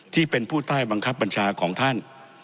ที่เป็นผู้ใต้บังคับบัญชาของท่าน